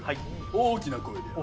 大きな声で。